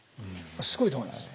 すごいと思いますよ。